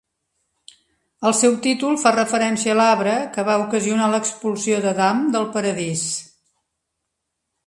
El seu títol fa referència a l'arbre que va ocasionar l'expulsió d'Adam del paradís.